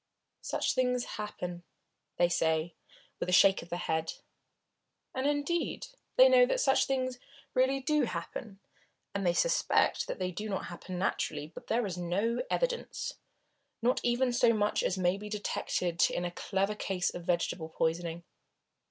Such things happen, they say, with a shake of the head. And, indeed, they know that such things really do happen, and they suspect that they do not happen naturally; but there is no evidence, not even so much as may be detected in a clever case of vegetable poisoning.